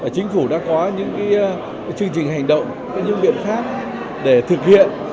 chính phủ đã có những chương trình hành động những việc khác để thực hiện